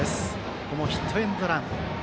ここもヒットエンドラン。